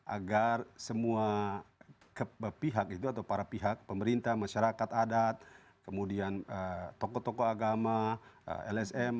agar semua pihak itu atau para pihak pemerintah masyarakat adat kemudian tokoh tokoh agama lsm